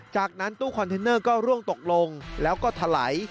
จากนั้นตู้คอนเทนเนอร์ก็ร่วงตกลงแล้วก็ถลาย